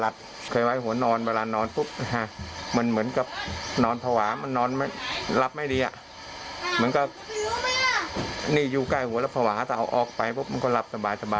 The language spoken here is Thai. ถึงผ่างอาจจะเอาออกไปมันก็จะหลับสบายว่ะธรรมดา